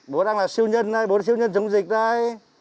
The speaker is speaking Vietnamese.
bố đang là siêu nhân bố là siêu nhân chống dịch đấy